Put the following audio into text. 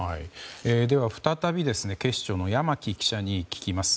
では、再び警視庁の山木記者に聞きます。